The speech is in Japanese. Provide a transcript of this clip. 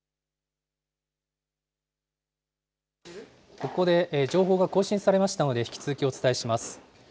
ここで情報が更新されましたので、引き続きお伝えします。